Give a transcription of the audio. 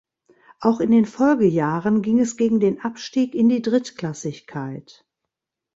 Auch in den Folgejahren ging es gegen den Abstieg in die Drittklassigkeit.